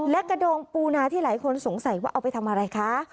และกระดงปูนาที่หลายคนสงสัยว่าเอาไปทำอะไรคะ